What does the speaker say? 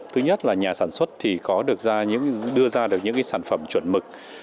thứ nhất là nhà sản xuất thì có được ra những đưa ra được những cái sản phẩm chuẩn mực